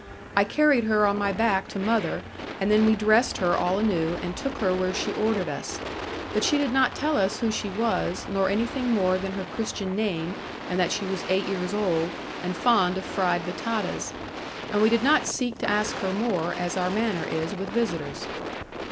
I carried her on my back to mother; and then we dressed her all anew, and took her where she ordered us; but she did not tell us who she was, nor anything more than her Christian name, and that she was eight years old, and fond of fried batatas. And we did not seek to ask her more; as our manner is with visitors.